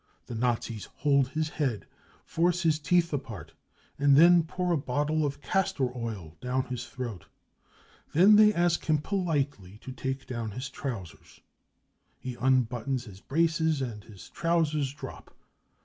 The Nazis hold his head, force his teeth apart, and then pour a bottle of castor oil down his throat, j Then they ask him politely to take down his trousers ; j he unbuttons his braces, and his trousers drop.